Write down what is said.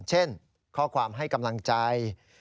เช่นข้อความให้กำลังใจ